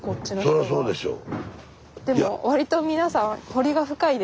そらそうでしょう。